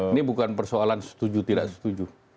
ini bukan persoalan setuju tidak setuju